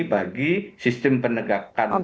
bagi sistem penegakan